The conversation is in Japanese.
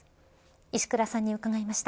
石倉さんに伺いました。